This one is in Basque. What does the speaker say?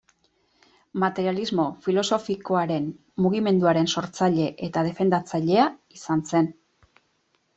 Materialismo filosofikoaren mugimenduaren sortzaile eta defendatzailea izan zen.